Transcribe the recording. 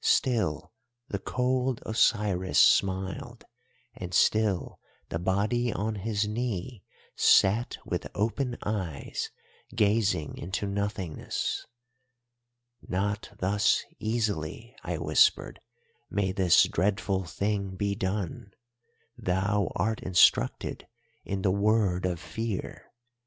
Still the cold Osiris smiled, and still the body on his knee sat with open eyes gazing into nothingness. "'Not thus easily,' I whispered, 'may this dreadful thing be done. Thou art instructed in the Word of Fear.